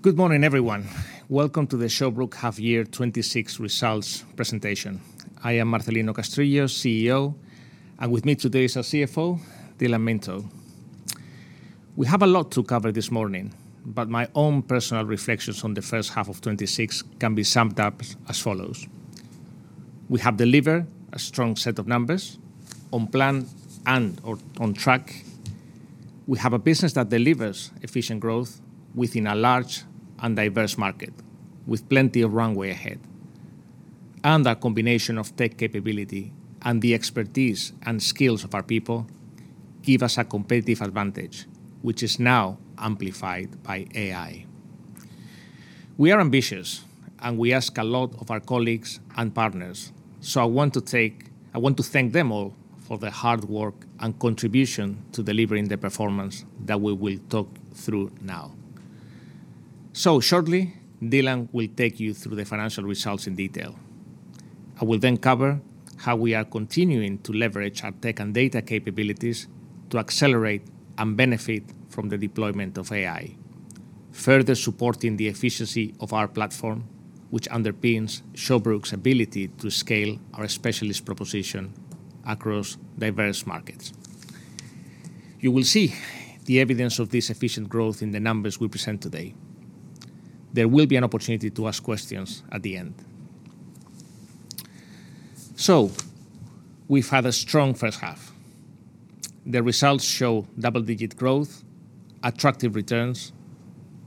Good morning, everyone. Welcome to the Shawbrook half year 2026 results presentation. I am Marcelino Castrillo, CEO, and with me today is our CFO, Dylan Minto. We have a lot to cover this morning. My own personal reflections on the first half of 2026 can be summed up as follows. We have delivered a strong set of numbers on plan and/or on track. We have a business that delivers efficient growth within a large and diverse market, with plenty of runway ahead. That combination of tech capability and the expertise and skills of our people give us a competitive advantage, which is now amplified by AI. We are ambitious. We ask a lot of our colleagues and partners, I want to thank them all for their hard work and contribution to delivering the performance that we will talk through now. Shortly, Dylan will take you through the financial results in detail. I will cover how we are continuing to leverage our tech and data capabilities to accelerate and benefit from the deployment of AI, further supporting the efficiency of our platform, which underpins Shawbrook's ability to scale our specialist proposition across diverse markets. You will see the evidence of this efficient growth in the numbers we present today. There will be an opportunity to ask questions at the end. We've had a strong first half. The results show double-digit growth, attractive returns,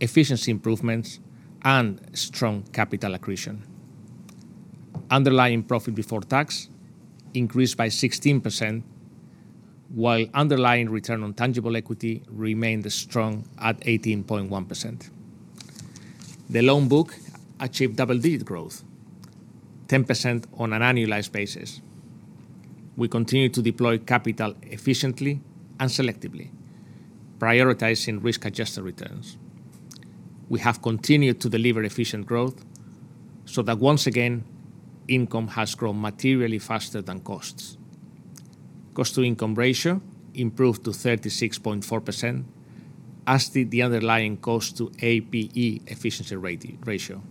efficiency improvements, and strong capital accretion. Underlying profit before tax increased by 16%, while underlying return on tangible equity remained strong at 18.1%. The loan book achieved double-digit growth, 10% on an annualized basis. We continue to deploy capital efficiently and selectively, prioritizing risk-adjusted returns. We have continued to deliver efficient growth. Once again, income has grown materially faster than costs. Cost-to-income ratio improved to 36.4%, as did the underlying cost to APE efficiency ratio,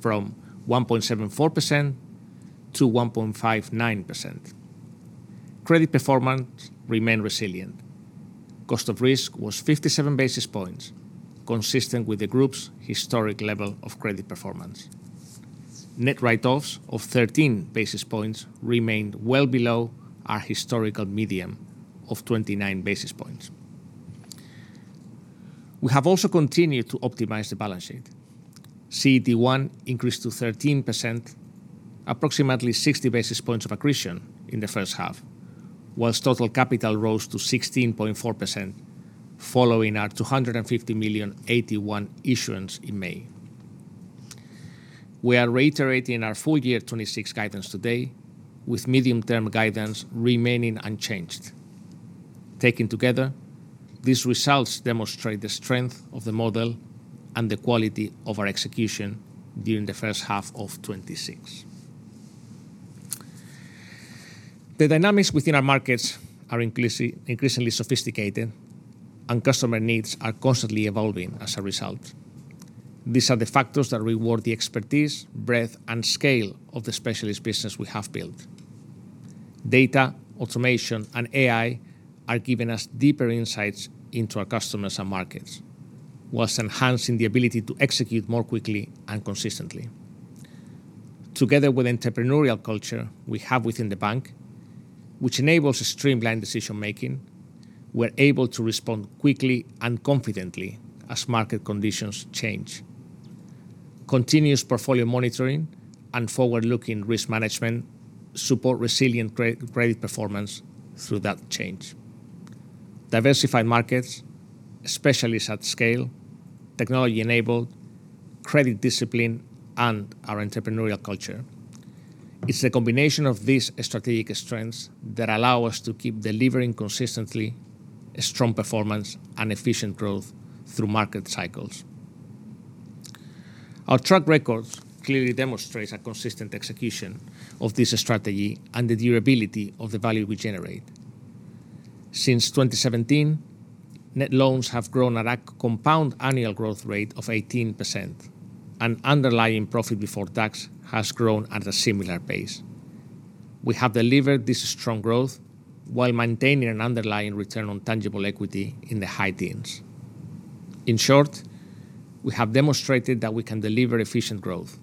from 1.74% to 1.59%. Credit performance remained resilient. Cost of risk was 57 basis points, consistent with the group's historic level of credit performance. Net write-offs of 13 basis points remained well below our historical median of 29 basis points. We have also continued to optimize the balance sheet. CET1 increased to 13%, approximately 60 basis points of accretion in the first half, whilst total capital rose to 16.4% following our 250 million AT1 issuance in May. We are reiterating our full year 2026 guidance today, with medium-term guidance remaining unchanged. Taken together, these results demonstrate the strength of the model and the quality of our execution during the first half of 2026. The dynamics within our markets are increasingly sophisticated. Customer needs are constantly evolving as a result. These are the factors that reward the expertise, breadth, and scale of the specialist business we have built. Data, automation, and AI are giving us deeper insights into our customers and markets whilst enhancing the ability to execute more quickly and consistently. Together with the entrepreneurial culture we have within the bank, which enables streamlined decision-making, we're able to respond quickly and confidently as market conditions change. Continuous portfolio monitoring and forward-looking risk management support resilient credit performance through that change. Diversified markets, specialists at scale, technology-enabled, credit discipline, and our entrepreneurial culture. It's a combination of these strategic strengths that allow us to keep delivering consistently strong performance and efficient growth through market cycles. Our track record clearly demonstrates a consistent execution of this strategy and the durability of the value we generate. Since 2017, net loans have grown at a compound annual growth rate of 18%, and underlying profit before tax has grown at a similar pace. We have delivered this strong growth while maintaining an underlying return on tangible equity in the high teens. In short, we have demonstrated that we can deliver efficient growth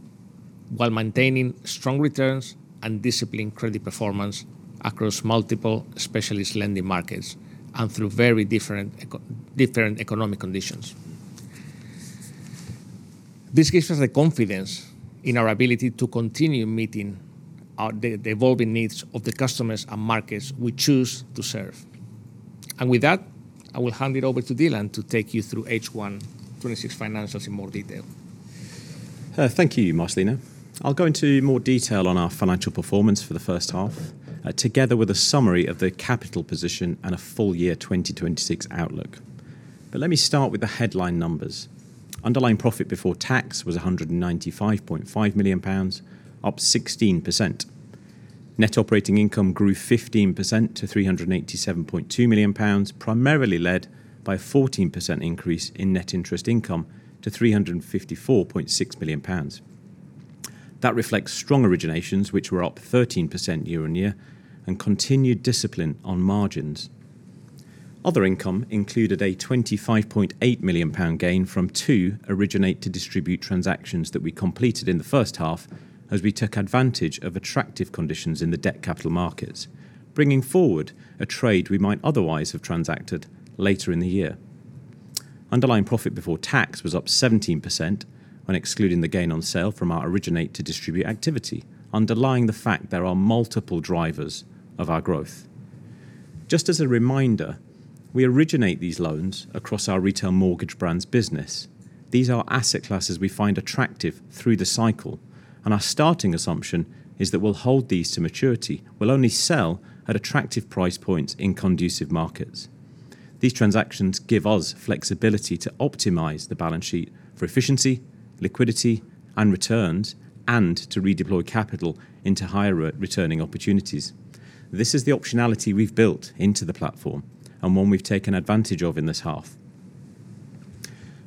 while maintaining strong returns and disciplined credit performance across multiple specialist lending markets and through very different economic conditions. This gives us the confidence in our ability to continue meeting the evolving needs of the customers and markets we choose to serve. With that, I will hand it over to Dylan to take you through H1 2026 financials in more detail. Thank you, Marcelino. I'll go into more detail on our financial performance for the first half, together with a summary of the capital position and a full-year 2026 outlook. Let me start with the headline numbers. Underlying profit before tax was 195.5 million pounds, up 16%. Net operating income grew 15% to 387.2 million pounds, primarily led by a 14% increase in net interest income to 354.6 million pounds. That reflects strong originations which were up 13% year-on-year and continued discipline on margins. Other income included a 25.8 million pound gain from two originate-to-distribute transactions that we completed in the first half as we took advantage of attractive conditions in the debt capital markets, bringing forward a trade we might otherwise have transacted later in the year. Underlying profit before tax was up 17% when excluding the gain on sale from our originate-to-distribute activity, underlying the fact there are multiple drivers of our growth. Just as a reminder, we originate these loans across our retail mortgage brands business. These are asset classes we find attractive through the cycle, and our starting assumption is that we'll hold these to maturity. We'll only sell at attractive price points in conducive markets. These transactions give us flexibility to optimize the balance sheet for efficiency, liquidity, and returns, and to redeploy capital into higher returning opportunities. This is the optionality we've built into the platform and one we've taken advantage of in this half.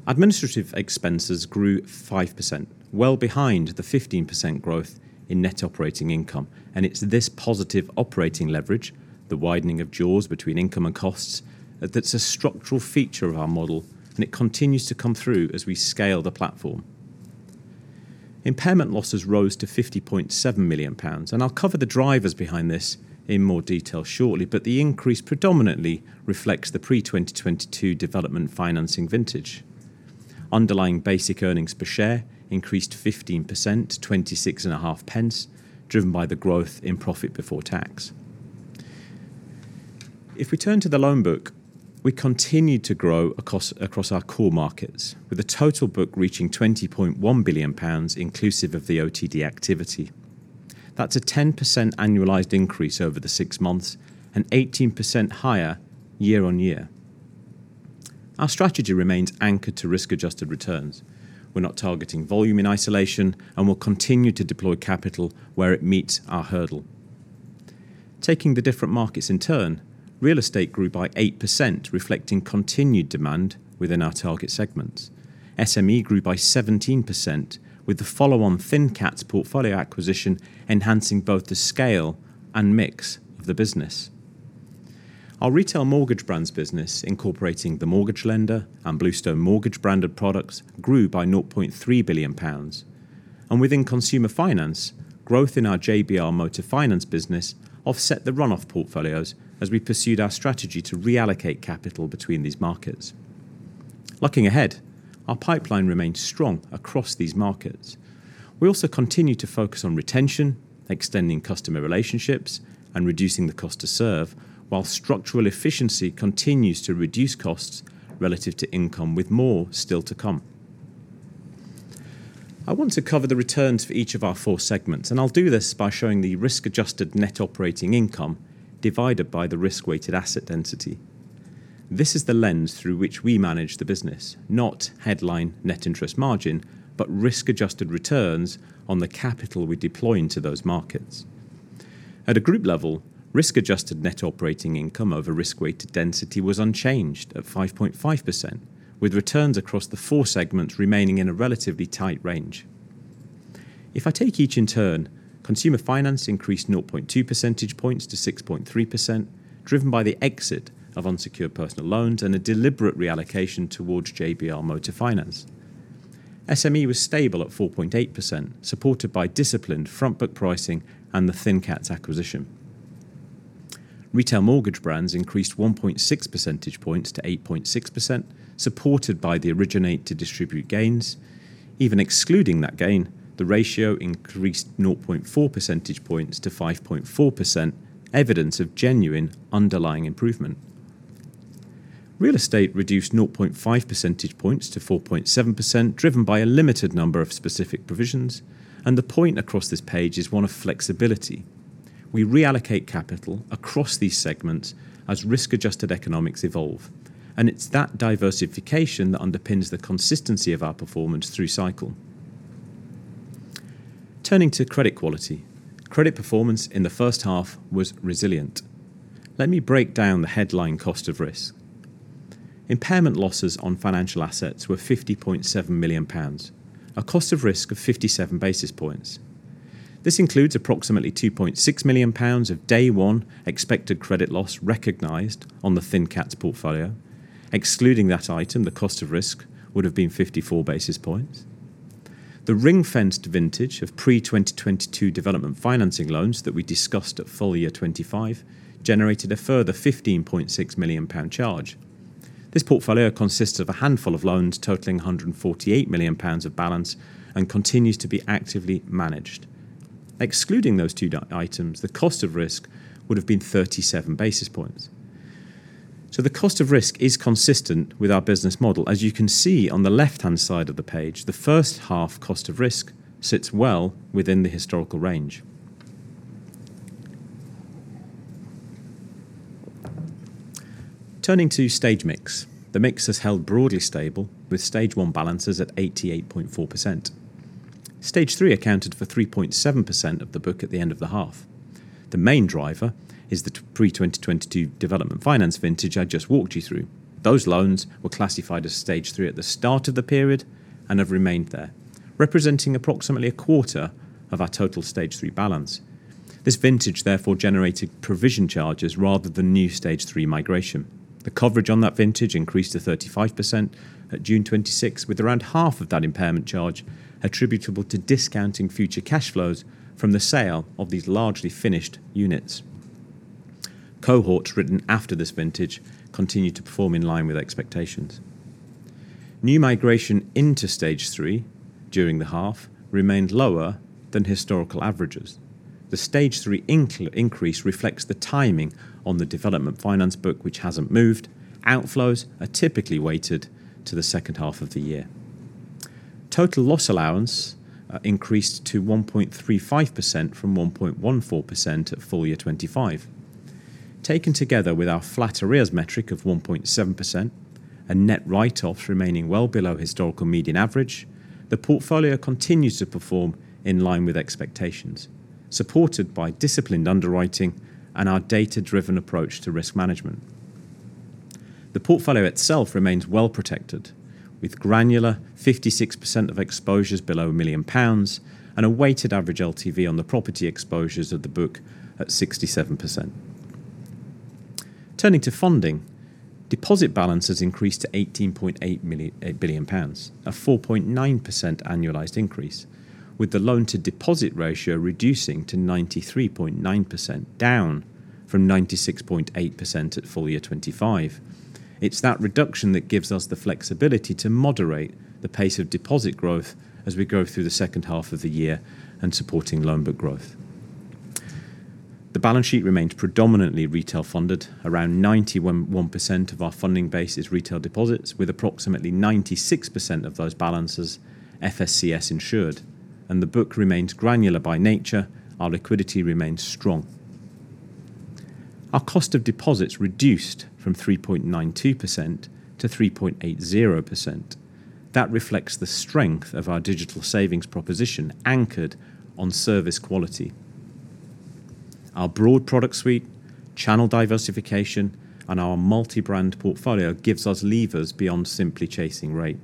Administrative expenses grew 5%, well behind the 15% growth in net operating income. It's this positive operating leverage, the widening of jaws between income and costs, that's a structural feature of our model, and it continues to come through as we scale the platform. Impairment losses rose to 50.7 million pounds, and I'll cover the drivers behind this in more detail shortly, but the increase predominantly reflects the pre-2022 development finance vintage. Underlying basic earnings per share increased 15% to 0.265, driven by the growth in profit before tax. If we turn to the loan book, we continued to grow across our core markets, with the total book reaching 20.1 billion pounds inclusive of the OTD activity. That's a 10% annualized increase over the six months, and 18% higher year-on-year. Our strategy remains anchored to risk-adjusted returns. We're not targeting volume in isolation and will continue to deploy capital where it meets our hurdle. Taking the different markets in turn, real estate grew by 8%, reflecting continued demand within our target segments. SME grew by 17% with the follow-on ThinCats portfolio acquisition enhancing both the scale and mix of the business. Our retail mortgage brands business, incorporating The Mortgage Lender and Bluestone Mortgages branded products, grew by 0.3 billion pounds. Within consumer finance, growth in our JBR Motor Finance business offset the run-off portfolios as we pursued our strategy to reallocate capital between these markets. Looking ahead, our pipeline remains strong across these markets. We also continue to focus on retention, extending customer relationships, and reducing the cost to serve while structural efficiency continues to reduce costs relative to income with more still to come. I want to cover the returns for each of our four segments. I'll do this by showing the risk-adjusted net operating income divided by the risk-weighted asset density. This is the lens through which we manage the business, not headline net interest margin, but risk-adjusted returns on the capital we deploy into those markets. At a group level, risk-adjusted net operating income over risk-weighted asset density was unchanged at 5.5%, with returns across the four segments remaining in a relatively tight range. If I take each in turn, consumer finance increased 0.2 percentage points to 6.3%, driven by the exit of unsecured personal loans and a deliberate reallocation towards JBR Motor Finance. SME was stable at 4.8%, supported by disciplined front book pricing and the ThinCats acquisition. Retail mortgage brands increased 1.6 percentage points to 8.6%, supported by the originate-to-distribute gains. Even excluding that gain, the ratio increased 0.4 percentage points to 5.4%, evidence of genuine underlying improvement. Real estate reduced 0.5 percentage points to 4.7%, driven by a limited number of specific provisions. The point across this page is one of flexibility. We reallocate capital across these segments as risk-adjusted economics evolve. It's that diversification that underpins the consistency of our performance through cycle. Turning to credit quality. Credit performance in the first half was resilient. Let me break down the headline cost of risk. Impairment losses on financial assets were 50.7 million pounds, a cost of risk of 57 basis points. This includes approximately 2.6 million pounds of day one expected credit loss recognized on the ThinCats portfolio. Excluding that item, the cost of risk would have been 54 basis points. The ring-fenced vintage of pre-2022 development finance loans that we discussed at full year 2025 generated a further 15.6 million pound charge. This portfolio consists of a handful of loans totaling 148 million pounds of balance and continues to be actively managed. Excluding those two items, the cost of risk would have been 37 basis points. The cost of risk is consistent with our business model. As you can see on the left-hand side of the page, the first half cost of risk sits well within the historical range. Turning to stage mix. The mix has held broadly stable with stage 1 balances at 88.4%. Stage 3 accounted for 3.7% of the book at the end of the half. The main driver is the pre-2022 development finance vintage I just walked you through. Those loans were classified as stage 3 at the start of the period and have remained there, representing approximately a quarter of our total stage 3 balance. This vintage therefore generated provision charges rather than new stage 3 migration. The coverage on that vintage increased to 35% at June 2026, with around half of that impairment charge attributable to discounting future cash flows from the sale of these largely finished units. Cohorts written after this vintage continued to perform in line with expectations. New migration into stage 3 during the half remained lower than historical averages. The stage 3 increase reflects the timing on the development finance book, which hasn't moved. Outflows are typically weighted to the second half of the year. Total loss allowance increased to 1.35% from 1.14% at full year 2025. Taken together with our flat arrears metric of 1.7% and net write-offs remaining well below historical median average, the portfolio continues to perform in line with expectations, supported by disciplined underwriting and our data-driven approach to risk management. The portfolio itself remains well protected with granular 56% of exposures below 1 million pounds and a weighted average LTV on the property exposures of the book at 67%. Turning to funding, deposit balance has increased to GBP 18.8 billion, a 4.9% annualized increase with the loan-to-deposit ratio reducing to 93.9%, down from 96.8% at full year 2025. It's that reduction that gives us the flexibility to moderate the pace of deposit growth as we go through the second half of the year and supporting loan book growth. The balance sheet remains predominantly retail funded. Around 91% of our funding base is retail deposits, with approximately 96% of those balances FSCS insured, and the book remains granular by nature. Our liquidity remains strong. Our cost of deposits reduced from 3.92% to 3.80%. That reflects the strength of our digital savings proposition anchored on service quality. Our broad product suite, channel diversification, and our multi-brand portfolio gives us levers beyond simply chasing rate.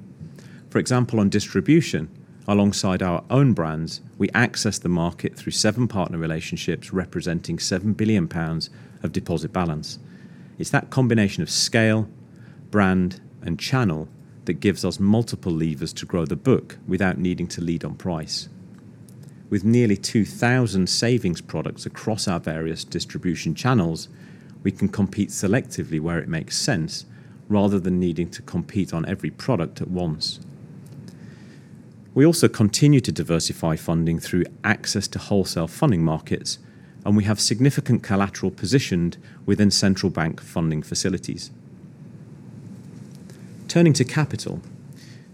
For example, on distribution, alongside our own brands, we access the market through seven partner relationships representing 7 billion pounds of deposit balance. It's that combination of scale, brand, and channel that gives us multiple levers to grow the book without needing to lead on price. With nearly 2,000 savings products across our various distribution channels, we can compete selectively where it makes sense rather than needing to compete on every product at once. We also continue to diversify funding through access to wholesale funding markets, and we have significant collateral positioned within central bank funding facilities. Turning to capital,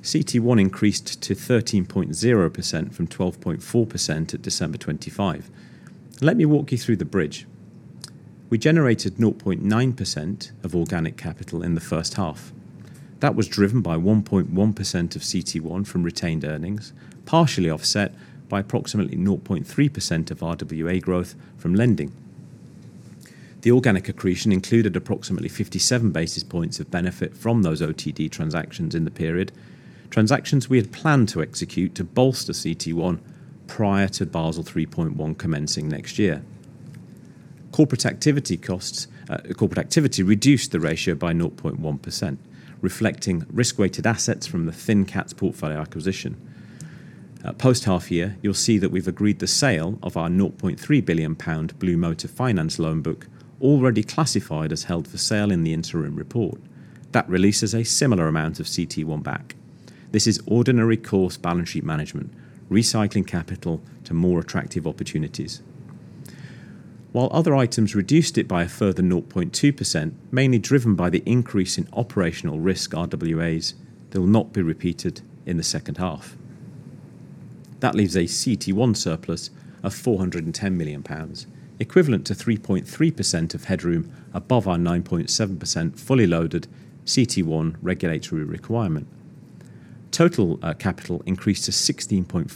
CET1 increased to 13.0% from 12.4% at December 2025. Let me walk you through the bridge. We generated 0.9% of organic capital in the first half. That was driven by 1.1% of CET1 from retained earnings, partially offset by approximately 0.3% of RWA growth from lending. The organic accretion included approximately 57 basis points of benefit from those OTD transactions in the period, transactions we had planned to execute to bolster CET1 prior to Basel 3.1 commencing next year. Corporate activity reduced the ratio by 0.1%, reflecting risk-weighted assets from the ThinCats portfolio acquisition. Post half year, you'll see that we've agreed the sale of our 0.3 billion pound Blue Motor Finance loan book already classified as held for sale in the interim report. That releases a similar amount of CET1 back. This is ordinary course balance sheet management, recycling capital to more attractive opportunities. While other items reduced it by a further 0.2%, mainly driven by the increase in operational risk RWAs, they will not be repeated in the second half. That leaves a CET1 surplus of 410 million pounds, equivalent to 3.3% of headroom above our 9.7% fully loaded CET1 regulatory requirement. Total capital increased to 16.4%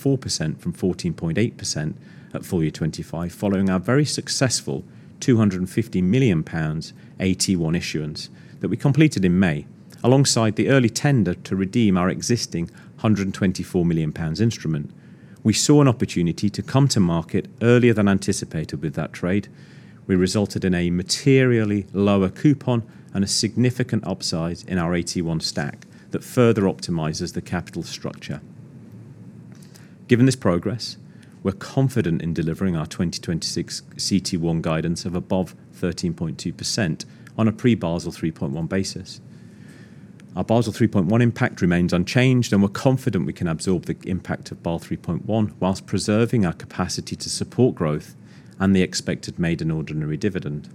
from 14.8% at full year 2025, following our very successful 250 million pounds AT1 issuance that we completed in May, alongside the early tender to redeem our existing 124 million pounds instrument. We saw an opportunity to come to market earlier than anticipated with that trade. We resulted in a materially lower coupon and a significant upsize in our AT1 stack that further optimizes the capital structure. Given this progress, we're confident in delivering our 2026 CET1 guidance of above 13.2% on a pre-Basel 3.1 basis. Our Basel 3.1 impact remains unchanged, we're confident we can absorb the impact of Basel 3.1 whilst preserving our capacity to support growth and the expected maiden ordinary dividend.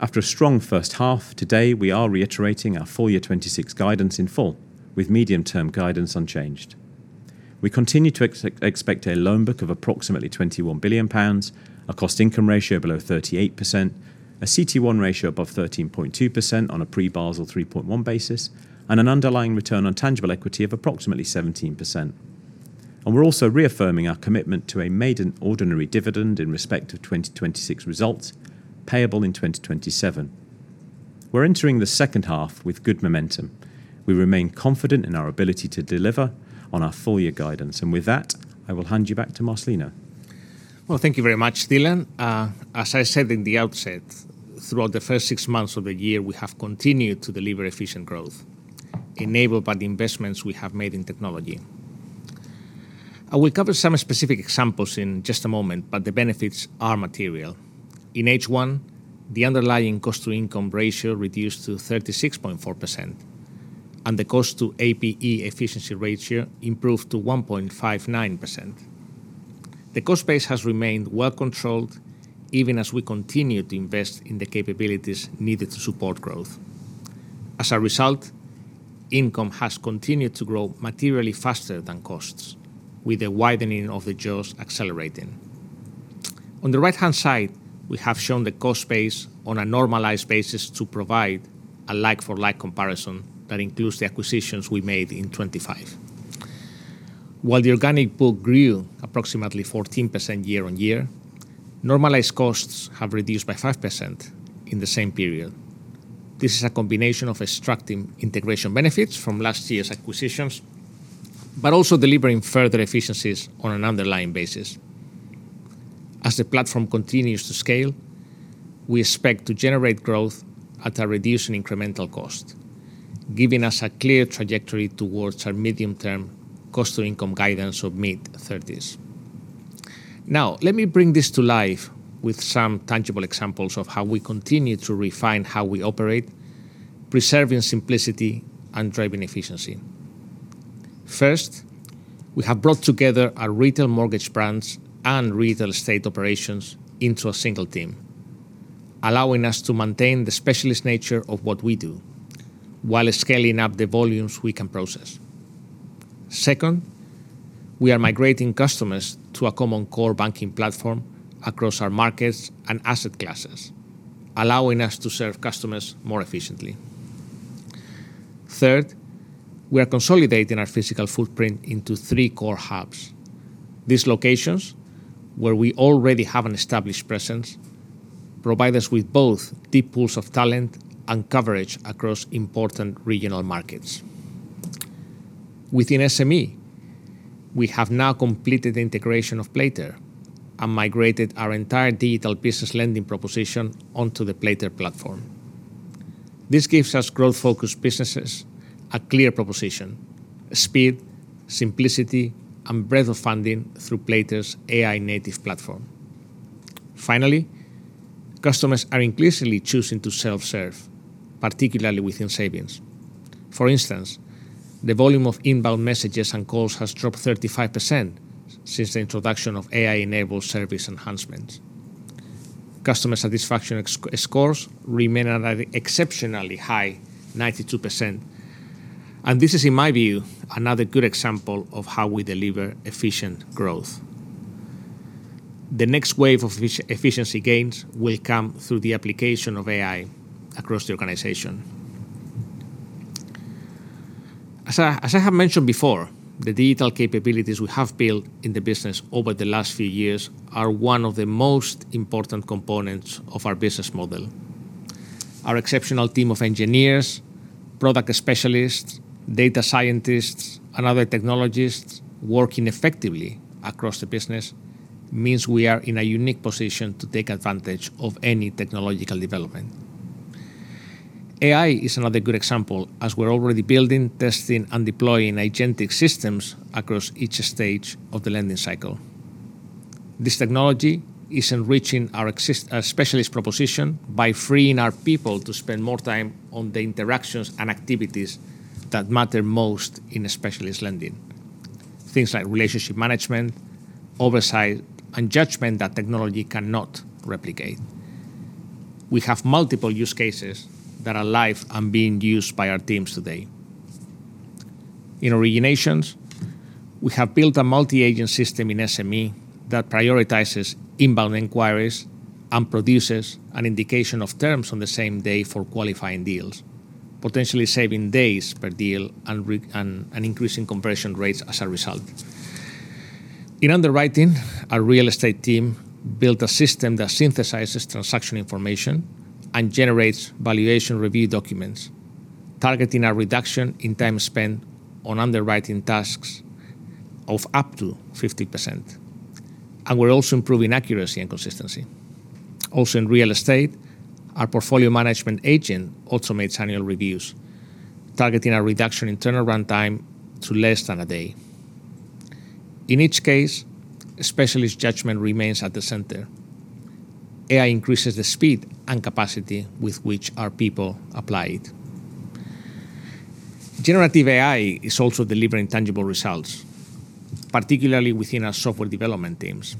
After a strong first half, today we are reiterating our full year 2026 guidance in full with medium-term guidance unchanged. We continue to expect a loan book of approximately 21 billion pounds, a cost-to-income ratio below 38%, a CET1 ratio above 13.2% on a pre-Basel 3.1 basis, and an underlying return on tangible equity of approximately 17%. We're also reaffirming our commitment to a maiden ordinary dividend in respect of 2026 results payable in 2027. We're entering the second half with good momentum. We remain confident in our ability to deliver on our full-year guidance. With that, I will hand you back to Marcelino. Thank you very much, Dylan. As I said in the outset, throughout the first six months of the year, we have continued to deliver efficient growth enabled by the investments we have made in technology. I will cover some specific examples in just a moment, but the benefits are material. In H1, the underlying cost-to-income ratio reduced to 36.4% and the cost to APE efficiency ratio improved to 1.59%. The cost base has remained well controlled even as we continue to invest in the capabilities needed to support growth. As a result, income has continued to grow materially faster than costs, with the widening of the jaws accelerating. On the right-hand side, we have shown the cost base on a normalized basis to provide a like-for-like comparison that includes the acquisitions we made in 2025. While the organic book grew approximately 14% year-on-year, normalized costs have reduced by 5% in the same period. This is a combination of extracting integration benefits from last year's acquisitions, but also delivering further efficiencies on an underlying basis. As the platform continues to scale, we expect to generate growth at a reducing incremental cost, giving us a clear trajectory towards our medium-term cost-to-income guidance of mid-30%. Let me bring this to life with some tangible examples of how we continue to refine how we operate, preserving simplicity and driving efficiency. First, we have brought together our retail mortgage brands and real estate operations into a single team, allowing us to maintain the specialist nature of what we do while scaling up the volumes we can process. Second, we are migrating customers to a common core banking platform across our markets and asset classes, allowing us to serve customers more efficiently. Third, we are consolidating our physical footprint into three core hubs. These locations, where we already have an established presence, provide us with both deep pools of talent and coverage across important regional markets. Within SME, we have now completed the integration of Playter and migrated our entire digital business lending proposition onto the Playter platform. This gives us growth-focused businesses a clear proposition, speed, simplicity, and breadth of funding through Playter's AI-native platform. Finally, customers are increasingly choosing to self-serve, particularly within savings. For instance, the volume of inbound messages and calls has dropped 35% since the introduction of AI-enabled service enhancements. Customer satisfaction scores remain at an exceptionally high 92%. This is, in my view, another good example of how we deliver efficient growth. The next wave of efficiency gains will come through the application of AI across the organization. As I have mentioned before, the digital capabilities we have built in the business over the last few years are one of the most important components of our business model. Our exceptional team of engineers, product specialists, data scientists, and other technologists working effectively across the business means we are in a unique position to take advantage of any technological development. AI is another good example, as we're already building, testing, and deploying agentic systems across each stage of the lending cycle. This technology is enriching our specialist proposition by freeing our people to spend more time on the interactions and activities that matter most in specialist lending, things like relationship management, oversight, and judgment that technology cannot replicate. We have multiple use cases that are live and being used by our teams today. In originations, we have built a multi-agent system in SME that prioritizes inbound inquiries and produces an indication of terms on the same day for qualifying deals, potentially saving days per deal and increasing conversion rates as a result. In underwriting, our real estate team built a system that synthesizes transaction information and generates valuation review documents, targeting a reduction in time spent on underwriting tasks of up to 50%, and we're also improving accuracy and consistency. Also in real estate, our portfolio management agent automates annual reviews, targeting a reduction in turnaround time to less than a day. In each case, specialist judgment remains at the center. AI increases the speed and capacity with which our people apply it. Generative AI is also delivering tangible results, particularly within our software development teams.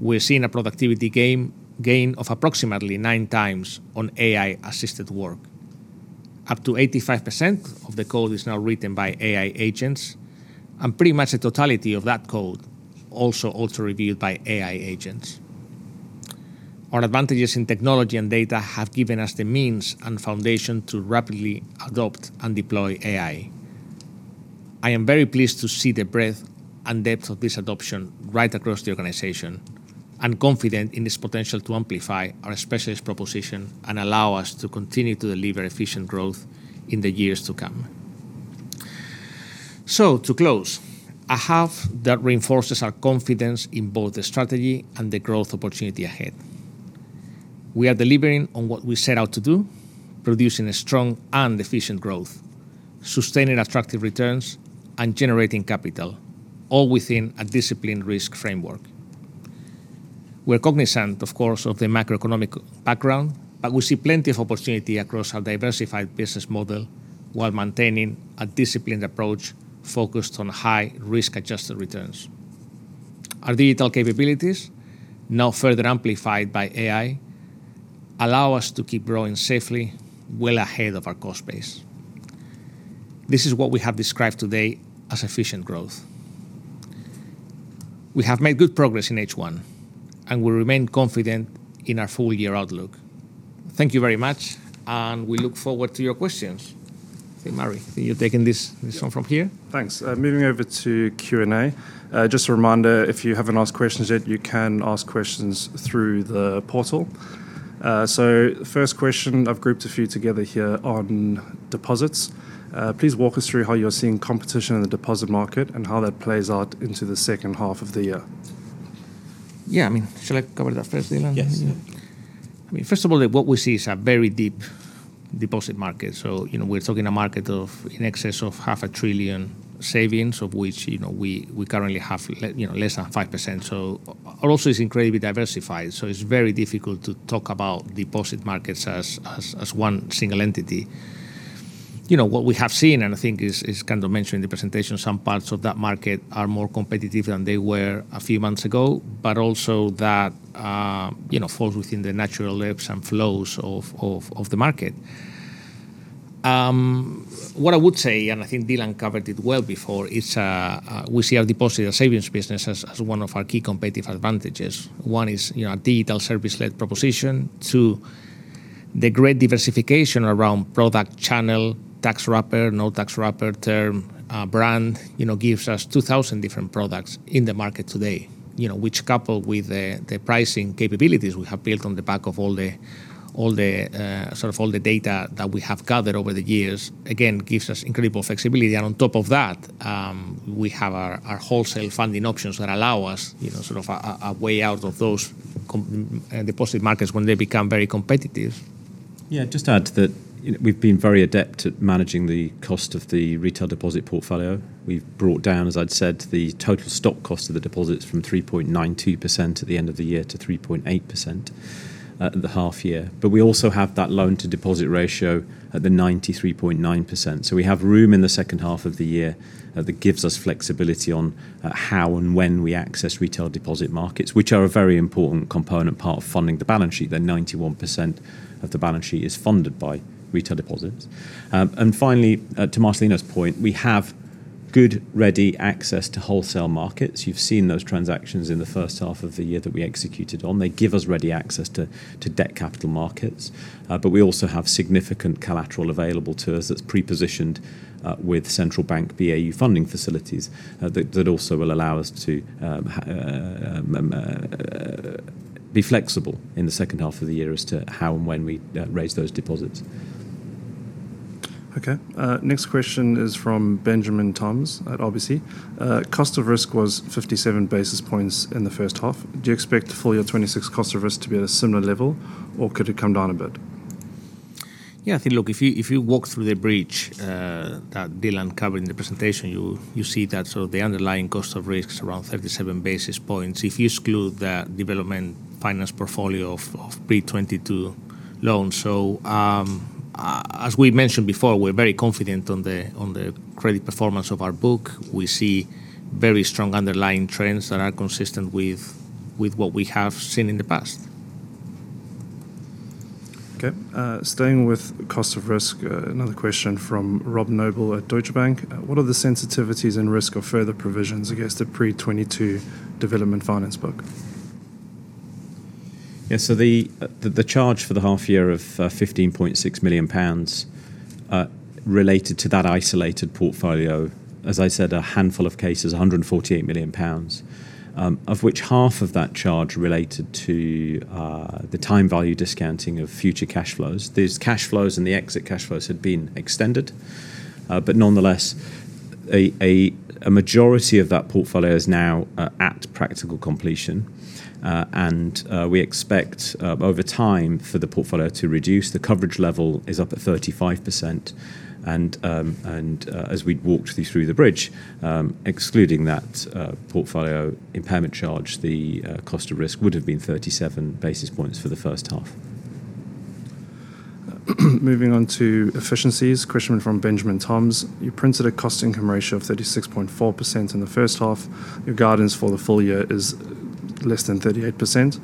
We're seeing a productivity gain of approximately nine times on AI-assisted work. Up to 85% of the code is now written by AI agents, and pretty much the totality of that code also auto reviewed by AI agents. Our advantages in technology and data have given us the means and foundation to rapidly adopt and deploy AI. I am very pleased to see the breadth and depth of this adoption right across the organization and confident in its potential to amplify our specialist proposition and allow us to continue to deliver efficient growth in the years to come. To close, a half that reinforces our confidence in both the strategy and the growth opportunity ahead. We are delivering on what we set out to do, producing a strong and efficient growth, sustaining attractive returns and generating capital, all within a disciplined risk framework. We're cognizant, of course, of the macroeconomic background, but we see plenty of opportunity across our diversified business model while maintaining a disciplined approach focused on high risk-adjusted returns. Our digital capabilities, now further amplified by AI, allow us to keep growing safely well ahead of our cost base. This is what we have described today as efficient growth. We have made good progress in H1, and we remain confident in our full-year outlook. Thank you very much, and we look forward to your questions. Okay, Murray, are you taking this one from here? Thanks. Moving over to Q&A. Just a reminder, if you haven't asked questions yet, you can ask questions through the portal. First question, I've grouped a few together here on deposits. Please walk us through how you're seeing competition in the deposit market and how that plays out into the second half of the year. Yeah. Shall I cover that first, Dylan? Yes. First of all, what we see is a very deep deposit market. We're talking a market of in excess of half a trillion savings, of which we currently have less than 5%. Also it's incredibly diversified, so it's very difficult to talk about deposit markets as one single entity. What we have seen, and I think is kind of mentioned in the presentation, some parts of that market are more competitive than they were a few months ago, but also that falls within the natural ebbs and flows of the market. What I would say, and I think Dylan covered it well before, is we see our deposit and savings business as one of our key competitive advantages. One is a digital service-led proposition. Two, the great diversification around product channel, tax wrapper, no tax wrapper term brand gives us 2,000 different products in the market today which coupled with the pricing capabilities we have built on the back of all the data that we have gathered over the years, again, gives us incredible flexibility. On top of that, we have our wholesale funding options that allow us a way out of those deposit markets when they become very competitive. Yeah. Just add to that, we've been very adept at managing the cost of the retail deposit portfolio. We've brought down, as I'd said, the total stock cost of the deposits from 3.92% at the end of the year to 3.8% at the half year. We also have that loan-to-deposit ratio at the 93.9%. We have room in the second half of the year that gives us flexibility on how and when we access retail deposit markets, which are a very important component part of funding the balance sheet. The 91% of the balance sheet is funded by retail deposits. Finally, to Marcelino's point, we have good ready access to wholesale markets. You've seen those transactions in the first half of the year that we executed on. They give us ready access to debt capital markets. We also have significant collateral available to us that's pre-positioned with central bank BAU funding facilities, that also will allow us to be flexible in the second half of the year as to how and when we raise those deposits. Okay. Next question is from Benjamin Toms at RBC. Cost of risk was 57 basis points in the first half. Do you expect full year 2026 cost of risk to be at a similar level, or could it come down a bit? Yeah, I think, look, if you walk through the bridge that Dylan covered in the presentation, you see that the underlying cost of risk is around 37 basis points if you exclude the development finance portfolio of pre-2022 loans. As we mentioned before, we're very confident on the credit performance of our book. We see very strong underlying trends that are consistent with what we have seen in the past. Okay. Staying with cost of risk, another question from Rob Noble at Deutsche Bank. What are the sensitivities and risk of further provisions against the pre-2022 development finance book? Yeah. The charge for the half year of 15.6 million pounds related to that isolated portfolio, as I said, a handful of cases, 148 million pounds, of which half of that charge related to the time value discounting of future cash flows. These cash flows and the exit cash flows had been extended. Nonetheless, a majority of that portfolio is now at practical completion. We expect, over time, for the portfolio to reduce. The coverage level is up at 35%. As we walked you through the bridge, excluding that portfolio impairment charge, the cost of risk would have been 37 basis points for the first half. Moving on to efficiencies. Question from Benjamin Toms. You printed a cost-to-income ratio of 36.4% in the first half. Your guidance for the full year is less than 38%,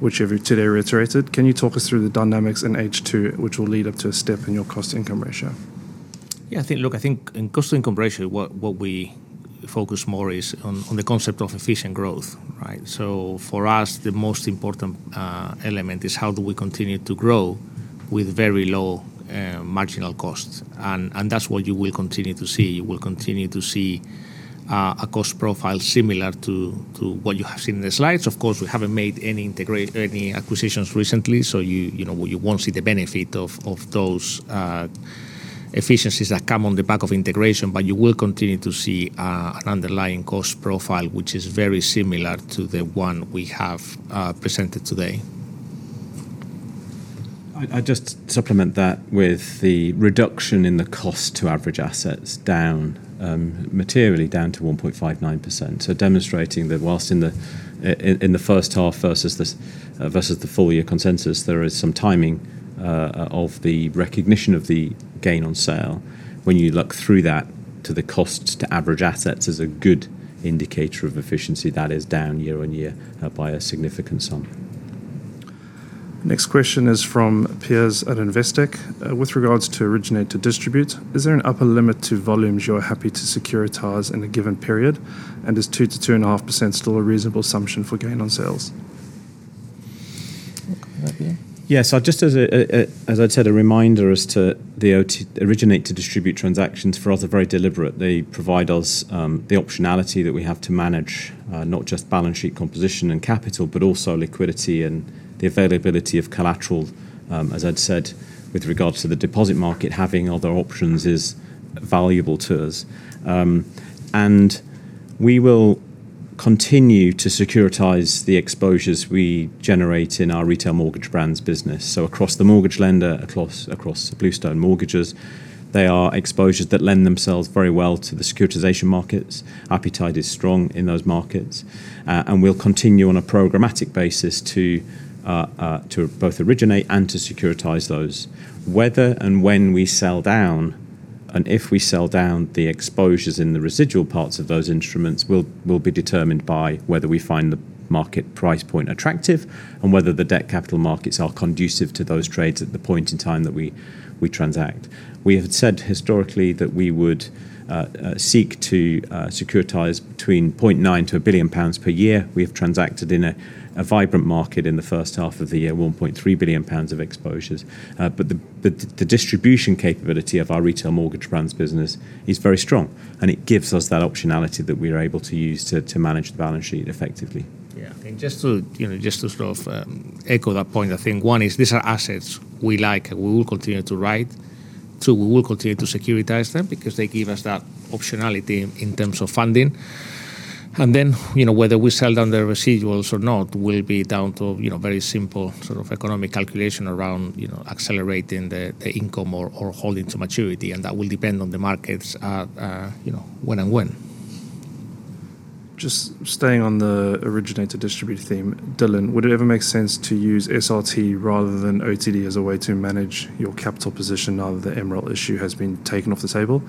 which you today reiterated. Can you talk us through the dynamics in H2, which will lead up to a step in your cost-to-income ratio? Yeah. Look, I think in cost-to-income ratio, what we focus more on is the concept of efficient growth, right? For us, the most important element is how do we continue to grow with very low marginal costs. That's what you will continue to see. You will continue to see a cost profile similar to what you have seen in the slides. Of course, we haven't made any acquisitions recently, you won't see the benefit of those efficiencies that come on the back of integration, you will continue to see an underlying cost profile, which is very similar to the one we have presented today. I'd just supplement that with the reduction in the cost to average assets down materially down to 1.59%. Demonstrating that whilst in the first half versus the full-year consensus, there is some timing of the recognition of the gain on sale. When you look through that to the costs to average assets as a good indicator of efficiency, that is down year-on-year by a significant sum. Next question is from Piers at Investec. With regards to originate-to-distribute, is there an upper limit to volumes you're happy to securitize in a given period and is 2%-2.5% still a reasonable assumption for gain on sales? Yeah. Just as I'd said, a reminder as to the originate-to-distribute transactions for us are very deliberate. They provide us the optionality that we have to manage, not just balance sheet composition and capital, but also liquidity and the availability of collateral. As I'd said, with regards to the deposit market, having other options is valuable to us. We will continue to securitize the exposures we generate in our retail mortgage brands. Across The Mortgage Lender, across Bluestone Mortgages, they are exposures that lend themselves very well to the securitization markets. Appetite is strong in those markets. We will continue on a programmatic basis to both originate and to securitize those. Whether and when we sell down, if we sell down the exposures in the residual parts of those instruments will be determined by whether we find the market price point attractive and whether the debt capital markets are conducive to those trades at the point in time that we transact. We have said historically that we would seek to securitize between 0.9 billion-1 billion pounds per year. We have transacted in a vibrant market in the first half of the year, 1.3 billion pounds of exposures. The distribution capability of our retail mortgage brands is very strong, and it gives us that optionality that we are able to use to manage the balance sheet effectively. Yeah. I think just to sort of echo that point, I think one is these are assets we like, and we will continue to write. Two, we will continue to securitize them because they give us that optionality in terms of funding. Whether we sell down the residuals or not will be down to very simple sort of economic calculation around accelerating the income or holding to maturity. That will depend on the markets when and when. Just staying on the originate-to-distribute theme. Dylan, would it ever make sense to use SRT rather than OTD as a way to manage your capital position now that the MREL issue has been taken off the table?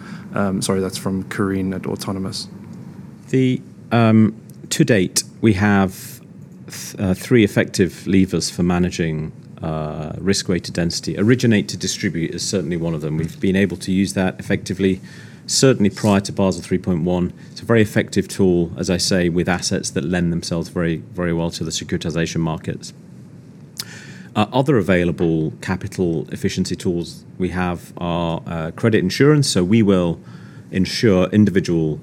Sorry, that's from Karine at Autonomous. To date, we have three effective levers for managing risk-weighted density. Originate-to-distribute is certainly one of them. We've been able to use that effectively, certainly prior to Basel 3.1. It's a very effective tool, as I say, with assets that lend themselves very well to the securitization markets. Other available capital efficiency tools we have are credit insurance. We will insure individual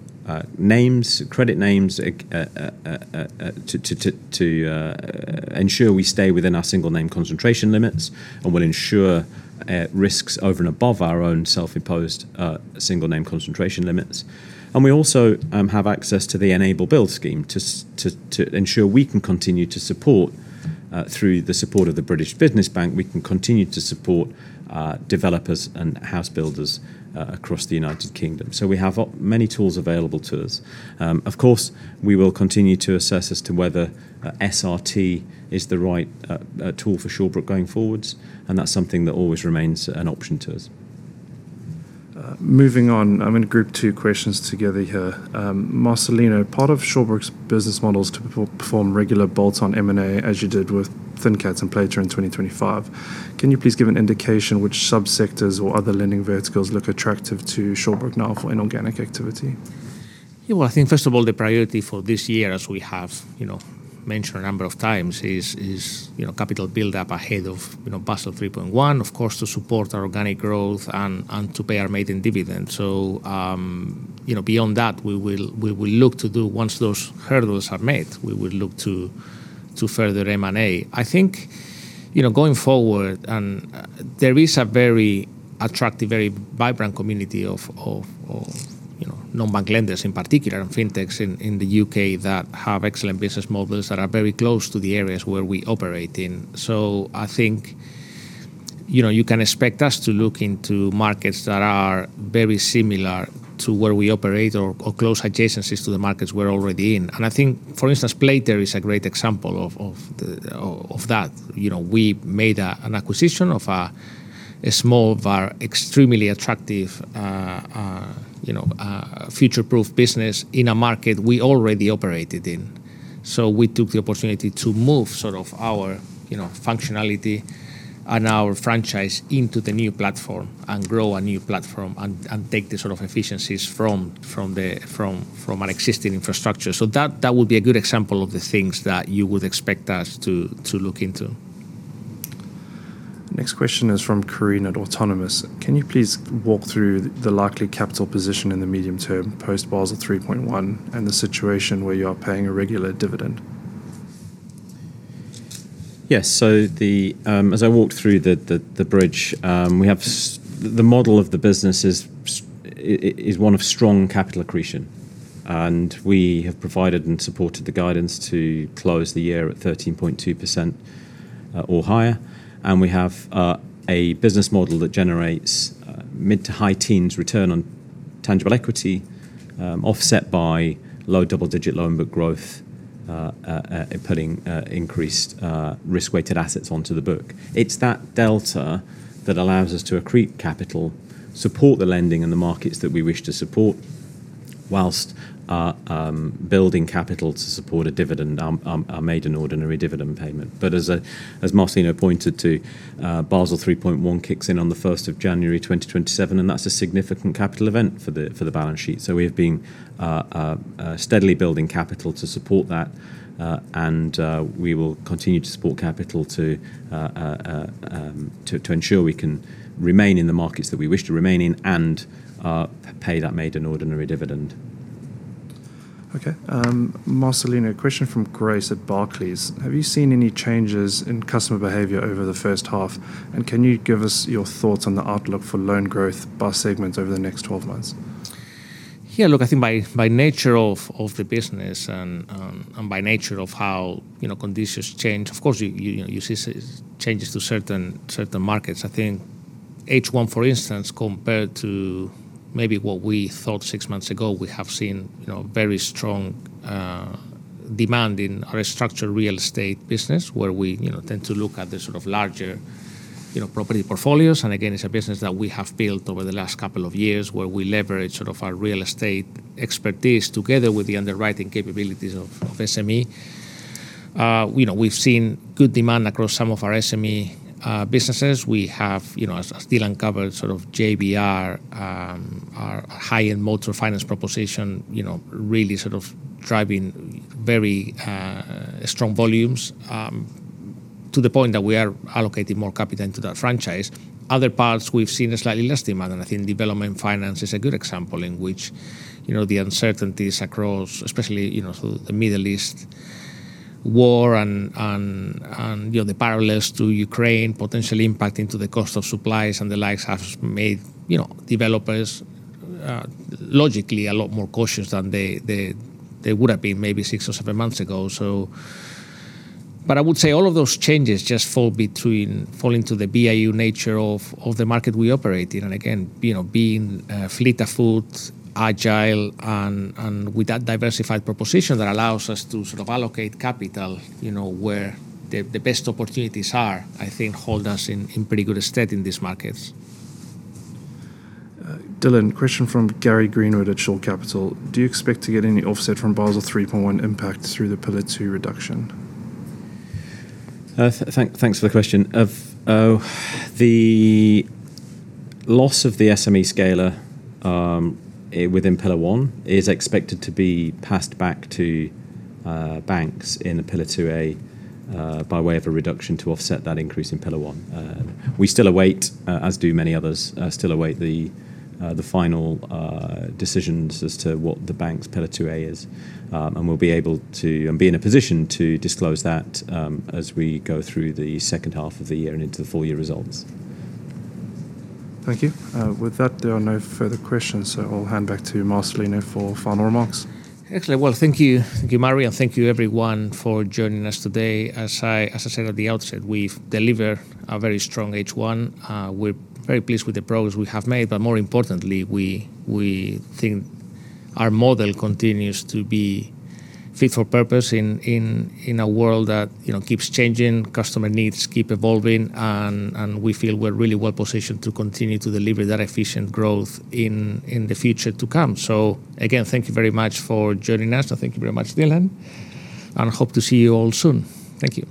credit names to ensure we stay within our single name concentration limits and will insure risks over and above our own self-imposed single name concentration limits. We also have access to the ENABLE Build scheme to ensure we can continue to support through the support of the British Business Bank, we can continue to support developers and house builders across the United Kingdom. We have many tools available to us. Of course, we will continue to assess as to whether SRT is the right tool for Shawbrook going forwards, and that's something that always remains an option to us. Moving on. I'm going to group two questions together here. Marcelino, part of Shawbrook's business model is to perform regular bolts on M&A, as you did with ThinCats and Playter in 2025. Can you please give an indication which sub-sectors or other lending verticals look attractive to Shawbrook now for inorganic activity? Yeah. Well, I think first of all, the priority for this year, as we have mentioned a number of times, is capital buildup ahead of Basel 3.1, of course, to support our organic growth and to pay our maiden dividend. Beyond that, we will look to do once those hurdles are met, we will look to further M&A. I think, going forward and there is a very attractive, very vibrant community of non-bank lenders in particular and fintechs in the U.K. that have excellent business models that are very close to the areas where we operate in. I think you can expect us to look into markets that are very similar to where we operate or close adjacencies to the markets we're already in. I think, for instance, Playter is a great example of that. We made an acquisition of a small but extremely attractive future-proof business in a market we already operated in. We took the opportunity to move our functionality and our franchise into the new platform and grow a new platform and take the efficiencies from an existing infrastructure. That would be a good example of the things that you would expect us to look into. Next question is from Karine at Autonomous. Can you please walk through the likely capital position in the medium term post-Basel 3.1 and the situation where you are paying a regular dividend? Yes. As I walked through the bridge, the model of the business is one of strong capital accretion, and we have provided and supported the guidance to close the year at 13.2% or higher. We have a business model that generates mid to high teens return on tangible equity, offset by low double-digit loan book growth, putting increased risk-weighted assets onto the book. It's that delta that allows us to accrete capital, support the lending in the markets that we wish to support, whilst building capital to support a dividend, a maiden ordinary dividend payment. As Marcelino pointed to, Basel 3.1 kicks in on the 1st of January 2027, and that's a significant capital event for the balance sheet. We have been steadily building capital to support that, and we will continue to support capital to ensure we can remain in the markets that we wish to remain in and pay that maiden ordinary dividend. Okay. Marcelino, question from Grace at Barclays. Have you seen any changes in customer behavior over the first half? Can you give us your thoughts on the outlook for loan growth by segment over the next 12 months? Look, by nature of the business and by nature of how conditions change, of course, you see changes to certain markets. H1, for instance, compared to maybe what we thought six months ago, we have seen very strong demand in our structured real estate business, where we tend to look at the larger property portfolios. Again, it's a business that we have built over the last couple of years, where we leverage our real estate expertise together with the underwriting capabilities of SME. We've seen good demand across some of our SME businesses. We have, as Dylan covered, JBR, our high-end motor finance proposition really driving very strong volumes to the point that we are allocating more capital into that franchise. Other parts we've seen a slightly less demand, development finance is a good example in which the uncertainties across, especially through the Middle East war and the parallels to Ukraine potentially impacting to the cost of supplies and the likes have made developers logically a lot more cautious than they would've been maybe six or seven months ago. I would say all of those changes just fall into the BAU nature of the market we operate in. Again, being fleet of foot, agile, and with that diversified proposition that allows us to allocate capital where the best opportunities are, hold us in pretty good stead in these markets. Dylan, question from Gary Greenwood at Shore Capital. Do you expect to get any offset from Basel 3.1 impact through the Pillar 2 reduction? Thanks for the question. The loss of the SME scaler within Pillar 1 is expected to be passed back to banks in the Pillar 2A by way of a reduction to offset that increase in Pillar 1. We still await, as do many others, still await the final decisions as to what the bank's Pillar 2A is. We'll be in a position to disclose that as we go through the second half of the year and into the full year results. Thank you. With that, there are no further questions. I'll hand back to Marcelino for final remarks. Excellent. Well, thank you. Thank you, Murray, and thank you everyone for joining us today. As I said at the outset, we've delivered a very strong H1. We're very pleased with the progress we have made, but more importantly, we think our model continues to be fit for purpose in a world that keeps changing, customer needs keep evolving, and we feel we're really well-positioned to continue to deliver that efficient growth in the future to come. Again, thank you very much for joining us. Thank you very much, Dylan, and hope to see you all soon. Thank you.